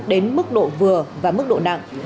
đến mức độ vừa và mức độ nặng